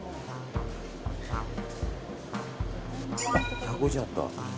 １５０円あった。